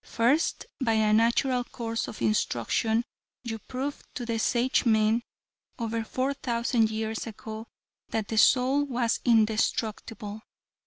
First, by a natural course of instruction, you proved to the Sagemen over four thousand years ago that the soul was indestructible.